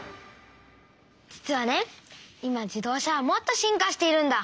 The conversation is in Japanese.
実はねいま自動車はもっと進化しているんだ！